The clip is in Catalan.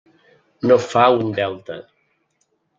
No fa un delta.